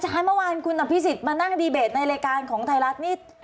ใช่เมื่อวานคุณอภิษฎมานั่งดีเบตในรายการของไทยรัฐนี่